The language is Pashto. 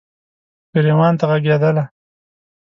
ګریوان ته ږغیدله